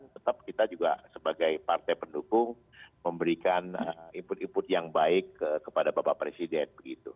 tetap kita juga sebagai partai pendukung memberikan input input yang baik kepada bapak presiden